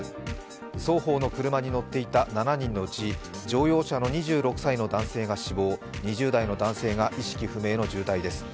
双方の車に乗っていた７人のうち乗用車の２６歳の男性が死亡２０代の男性が意識不明の重体です。